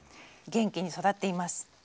元気に育っています。